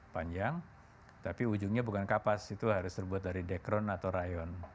panjang tapi ujungnya bukan kapas itu harus terbuat dari dekron atau rayon